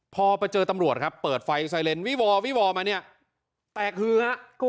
พอไปเจอตำรวจครับเปิดไฟไซเลนวิวอวี่วอมาเนี่ยแตกฮือฮะ